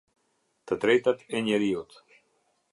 Të drejtat e njeriut.